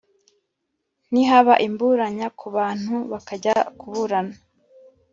Nihaba imburanya ku bantu bakajya kuburana